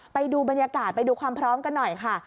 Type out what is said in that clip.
ไปดูบรรยากาศไปดูความพร้อมกันหน่อยค่ะ